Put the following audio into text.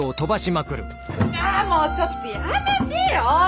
あもうちょっとやめてよ！